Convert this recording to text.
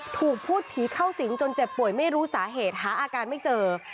ถูกพูดผีเข้าสิงจนเจ็บป่วยไม่รู้สาเหตุหาอาการไม่เจอ